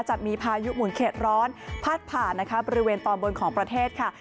จะมีพายุหมุนเข็ดร้อนพาดผ่านนะคะบริเวณตอนบนของประเทศค่ะ